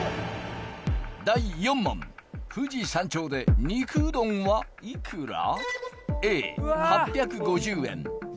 第４問富士山頂で肉うどんはいくら？